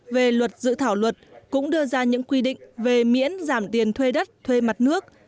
về luật dự thảo luật cũng đưa ra những quy định về miễn giảm tiền thuê đất thuê mặt nước